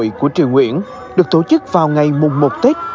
hội của triều nguyễn được tổ chức vào ngày mùng một tết